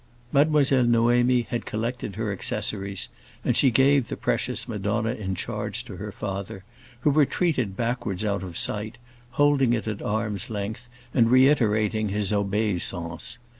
Mademoiselle Noémie had collected her accessories, and she gave the precious Madonna in charge to her father, who retreated backwards out of sight, holding it at arm's length and reiterating his obeisance.